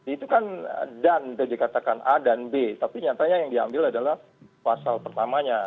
itu kan dan dikatakan a dan b tapi nyatanya yang diambil adalah pasal pertamanya